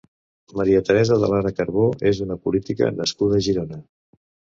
María Teresa de Lara Carbó és una política nascuda a Girona.